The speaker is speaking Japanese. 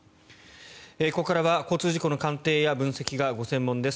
ここからは交通事故の鑑定や分析がご専門です